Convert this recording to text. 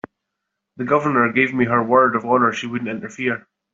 The Governor gave me her word of honor she wouldn't interfere.